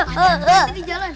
nanti di jalan